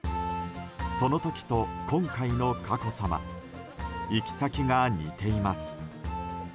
その時と、今回の佳子さま行き先が似ています。